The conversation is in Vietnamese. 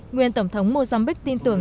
nguyên tổng thống mozambique tin tưởng